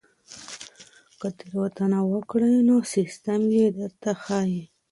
که تېروتنه وکړئ نو سیستم یې درته ښيي.